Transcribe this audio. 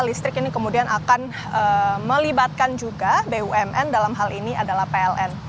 listrik ini kemudian akan melibatkan juga bumn dalam hal ini adalah pln